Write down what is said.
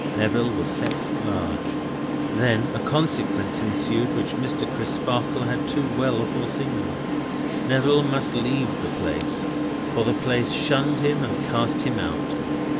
Neville was set at large. Then, a consequence ensued which Mr. Crisparkle had too well foreseen. Neville must leave the place, for the place shunned him and cast him out.